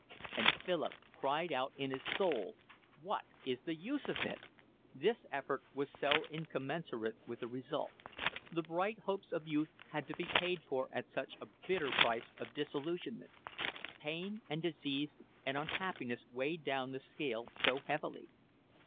And Philip cried out in his soul: "What is the use of it?" The effort was so incommensurate with the result. The bright hopes of youth had to be paid for at such a bitter price of disillusionment. Pain and disease and unhappiness weighed down the scale so heavily.